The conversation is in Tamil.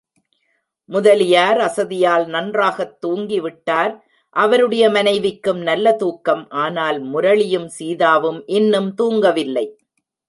முதலியார் அசதியால் நன்றாகத் தூங்கிவிட்டார், அவருடைய மனைவிக்கும் நல்ல தூக்கம், ஆனால், முரளியும், சீதாவும் இன்னும் தூங்கவில்லை.